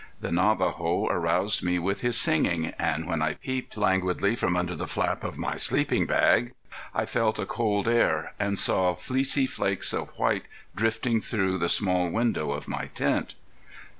The Navajo aroused me with his singing, and when I peeped languidly from under the flap of my sleeping bag, I felt a cold air and saw fleecy flakes of white drifting through the small window of my tent.